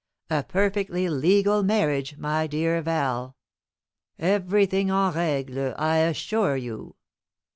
A perfectly legal marriage, my dear Val everything en regle, I assure you.